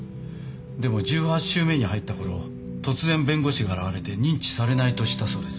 でも１８週目に入ったころ突然弁護士が現れて認知されないと知ったそうです。